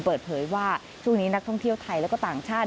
เปิดเผยว่าช่วงนี้นักท่องเที่ยวไทยและก็ต่างชาติ